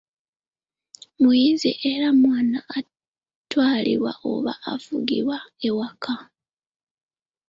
Muyizi era mwana atwalibwa oba afugibwa ewaka